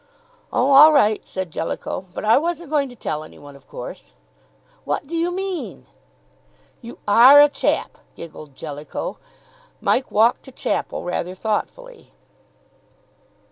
"Oh, all right," said Jellicoe. "But I wasn't going to tell any one, of course." "What do you mean?" "You are a chap!" giggled Jellicoe. Mike walked to chapel rather thoughtfully.